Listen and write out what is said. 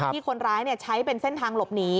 ที่คนร้ายใช้เป็นเส้นทางหลบหนี